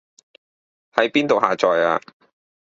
喺邊度下載啊